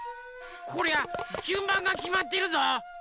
こりゃじゅんばんがきまってるぞ。